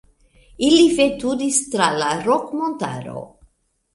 Ili veturis tra la Rok-montaro.